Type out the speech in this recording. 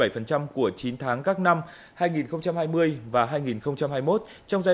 về cơ cấu nền kinh tế chín tháng năm hai nghìn hai mươi ba khu vực nông lâm nghiệp và thủy sản chiếm tỷ trọng là